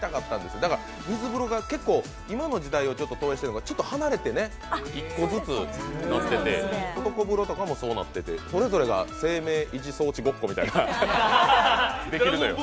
水風呂が今の時代を投影しているのかちょっと離れて１個ずつなってて小風呂とかもそうなっててそれぞれが生命維持装置ごっこみたいな。